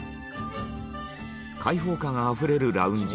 開放感あふれるラウンジ。